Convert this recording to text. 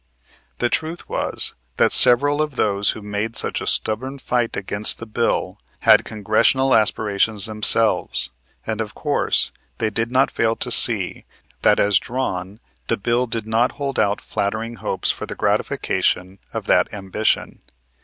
The truth was that several of those who made such a stubborn fight against the bill had Congressional aspirations themselves and, of course, they did not fail to see that as drawn the bill did not hold out flattering hopes for the gratification of that ambition.